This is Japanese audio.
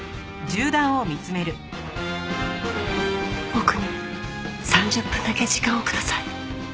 僕に３０分だけ時間をください。